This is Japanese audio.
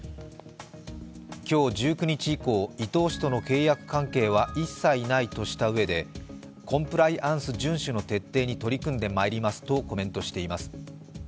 今日１９日以降、伊東氏との契約関係は一切ないとしたうえでコンプライアンス順守の徹底に取り組んでまいりますとコメントしています。